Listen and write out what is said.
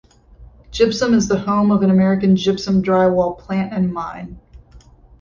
Gypsum is the home of an American Gypsum drywall plant and mine.